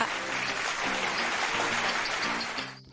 อยากจะก้าวเข้ามาอยู่ในจุดนี้ค่ะ